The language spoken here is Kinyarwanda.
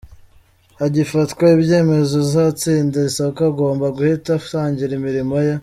Hagifatwa ibyemezo uzatsindira isoko agomba guhita atangira imirimo ye .